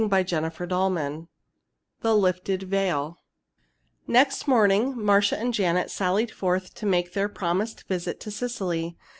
CHAPTER XI THE LIFTED VEIL Next morning Marcia and Janet sallied forth to make their promised visit to Cecily.